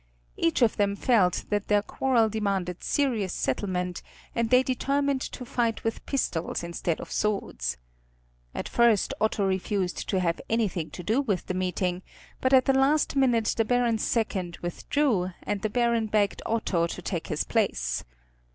Each of them felt that their quarrel demanded serious settlement and they determined to fight with pistols instead of swords. At first Otto refused to have anything to do with the meeting, but at the last minute the Baron's second withdrew, and the Baron begged Otto to take his place.